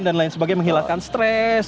dan lain sebagainya menghilangkan stres